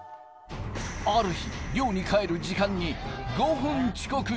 ある日、寮に帰る時間に５分遅刻。